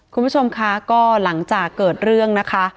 คุณผู้ชมคะก็หลังจากเกิดเรื่องนะคะ